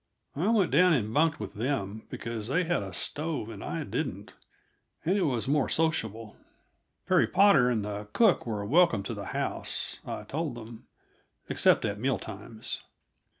I went down and bunked with them, because they had a stove and I didn't, and it was more sociable; Perry Potter and the cook were welcome to the house, I told them, except at meal times.